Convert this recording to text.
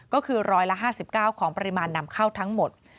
ก็คือ๑๕๙ของปริมาณนำเข้าทั้งหมด